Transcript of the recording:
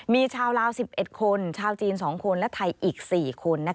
มีชาวลาว๑๑คนชาวจีน๒คนและไทยอีก๔คน